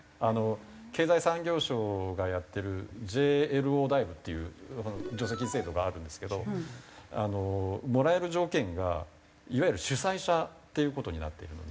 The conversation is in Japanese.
経済産業省がやってるＪ−ＬＯＤｌｉｖｅっていう助成金制度があるんですけどあのもらえる条件がいわゆる主催者っていう事になっているので。